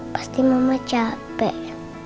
pasti mama capek